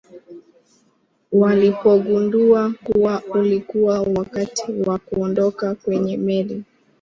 walipogundua kuwa ulikuwa wakati wa kuondoka kwenye meli